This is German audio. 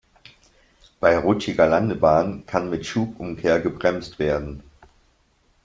Bei rutschiger Landebahn kann mit Schubumkehr gebremst werden.